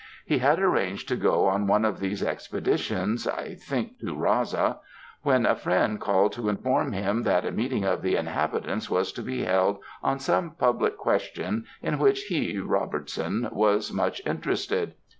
He had arranged to go on one of these expeditious, I think to Raasa, when a friend called to inform him that a meeting of the inhabitants was to be held on some public question in which he, Robertson, was much interested."